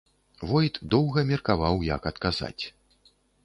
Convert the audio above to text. Войт доўга меркаваў, як адказаць.